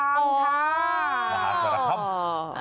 มหาสารคัม